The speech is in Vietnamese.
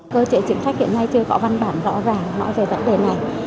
cơ trị chính sách hiện nay chưa có văn bản rõ ràng nói về vấn đề này